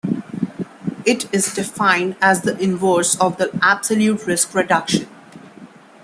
It is defined as the inverse of the absolute risk reduction.